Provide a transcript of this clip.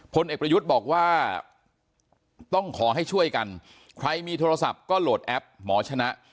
พลเอกประยุทธ์บอกว่าต้องขอให้ช่วยกันใครมีโทรศัพท์ก็โหลดแอปหมอชนะ